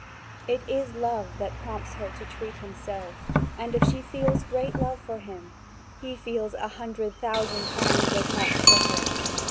It is love that prompts her to treat him so; and if she feels great love for him, he feels a hundred thousand times as much for her.